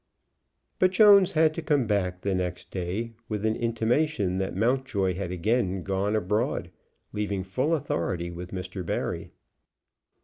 But Jones had to come back the next day with an intimation that Mountjoy had again gone abroad, leaving full authority with Mr. Barry.